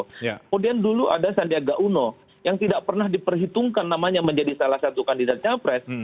kemudian dulu ada sandiaga uno yang tidak pernah diperhitungkan namanya menjadi salah satu kandidat capres